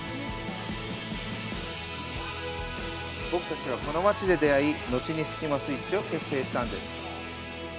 僕たちはこの町で出会い後にスキマスイッチを結成したんです。